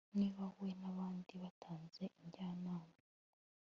niba we, nabandi, batanze injyana